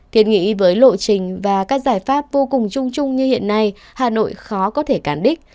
thiệt nghĩ với lộ trình và các giải pháp vô cùng chung chung như hiện nay hà nội khó có thể cản đích